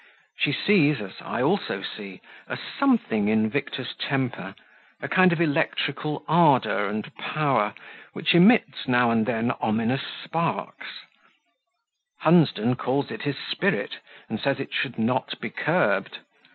She sees, as I also see, a something in Victor's temper a kind of electrical ardour and power which emits, now and then, ominous sparks; Hunsden calls it his spirit, and says it should not be curbed.